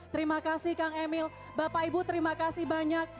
terima kasih kang emil bapak ibu terima kasih banyak